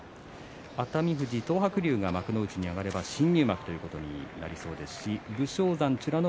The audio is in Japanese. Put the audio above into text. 熱海富士と東白龍が幕内に上がれば新入幕ということになりそうですし武将山、美ノ